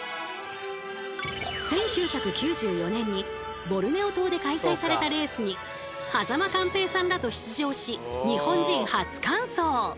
１９９４年にボルネオ島で開催されたレースに間寛平さんらと出場し日本人初完走！